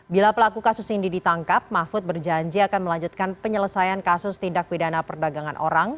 bila pelaku kasus ini ditangkap mahfud berjanji akan melanjutkan penyelesaian kasus tindak pidana perdagangan orang